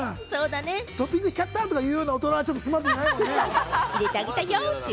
トッピングしちゃった！とかいう大人はスマートじゃないもんね。